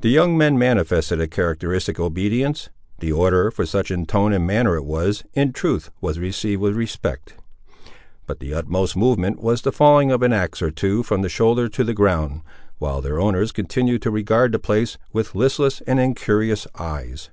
The young men manifested a characteristic obedience. The order, for such in tone and manner it was, in truth, was received with respect; but the utmost movement was the falling of an axe or two from the shoulder to the ground, while their owners continued to regard the place with listless and incurious eyes.